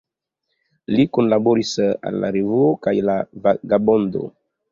Li kunlaboris al La Revuo kaj La Vagabondo.